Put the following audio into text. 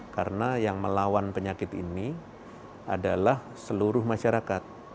karena yang melawan penyakit ini adalah seluruh masyarakat